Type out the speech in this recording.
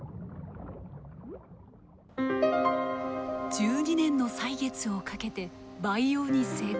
１２年の歳月をかけて培養に成功。